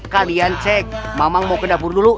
kalian cek mamang mau ke dapur dulu